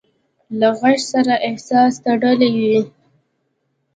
له غږ سره احساس تړلی وي.